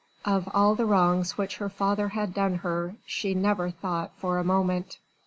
Of all the wrongs which her father had done her she never thought for a moment.